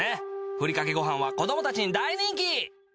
ふりかけごはんは子供たちに大人気。